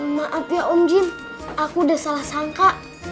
maaf ya om jim aku udah salah sangka